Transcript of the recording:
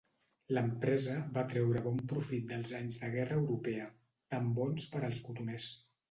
L'empresa va treure bon profit dels anys de guerra europea, tan bons per als cotoners.